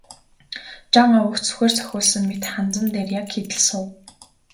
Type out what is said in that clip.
Жан овогт сүхээр цохиулсан мэт ханзан дээр яг хийтэл суув.